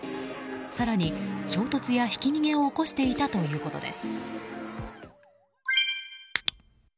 更に、衝突やひき逃げを起こしていたということです。